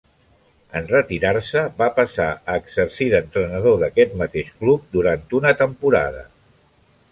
En retirar-se va passar a exercir d'entrenador d'aquest mateix club durant una temporada.